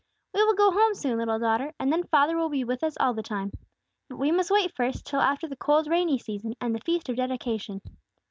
"We will go home soon, little daughter, and then father will be with us all the time. But we must wait first, till after the cold, rainy season, and the Feast of Dedication."